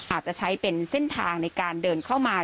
อาจจะใช้เป็นเส้นทางในการเดินเข้ามา